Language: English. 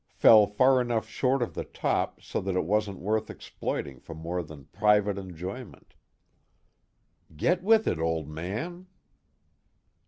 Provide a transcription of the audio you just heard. fell far enough short of the top so that it wasn't worth exploiting for more than private enjoyment. _Get with it, Old Man!